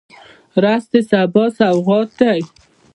رس د سبا سوغات دی